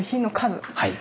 はい。